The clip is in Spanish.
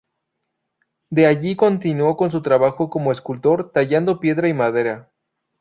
Desde allí continuó con su trabajo como escultor, tallando piedra y madera.